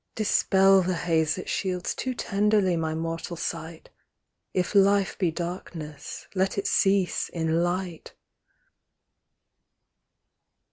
Dispel the haze That shields too tenderly my mortal sight : If life be darkness, let it cease in light.